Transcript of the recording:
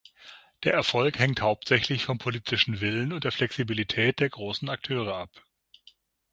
Der Erfolg hängt hauptsächlich vom politischen Willen und der Flexibilität der großen Akteure ab.